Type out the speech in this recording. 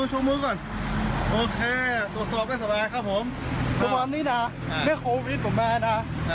ทุกวันนี้นะด้วยโควิดผมแม่นะ